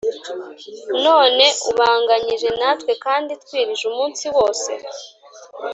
none ubanganyije natwe kandi twirije umunsi wose